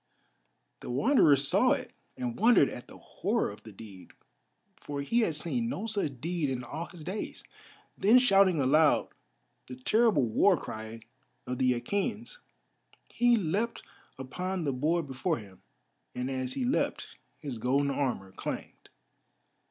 The Wanderer saw it and wondered at the horror of the deed, for he had seen no such deed in all his days. Then shouting aloud the terrible war cry of the Achæans he leapt upon the board before him, and as he leapt his golden armour clanged.